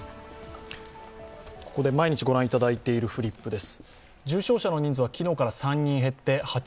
ここで毎日御覧いただいているフリップです。